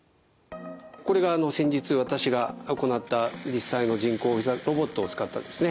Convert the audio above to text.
これが先日私が行った実際のロボットを使ったですね